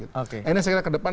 ini saya kira ke depan